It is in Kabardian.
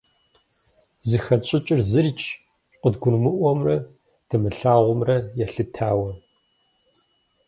Зыхэтщӏыкӏыр зырикӏщ, къыдгурымыӏуэмрэ дымылъагъумрэ елъытауэ.